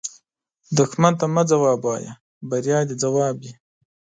دښمن ته مه ځواب وایه، بریا دې ځواب وي